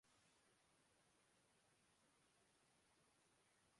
اس لئے دستیاب وسائل کے بہترین استعمال اور اجتماعی ذمہ داری کو نظم و ضبط سے نبھانے کے لئے